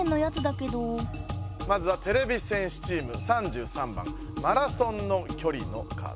まずはてれび戦士チーム３３番マラソンの距離のカード。